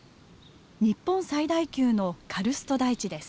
日本最大級のカルスト台地です。